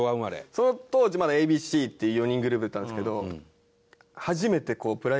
その当時まだＡ．Ｂ．Ｃ．って４人グループだったんですけど。